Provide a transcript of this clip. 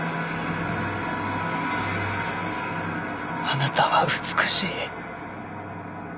あなたは美しい。